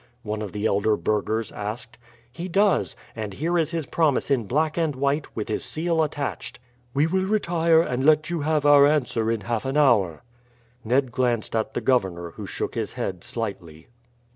one of the elder burghers asked. "He does; and here is his promise in black and white, with his seal attached." "We will retire, and let you have our answer in half an hour." Ned glanced at the governor, who shook his head slightly.